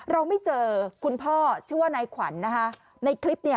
เราไม่เจอคุณพ่อชื่อว่านายขวัญในคลิป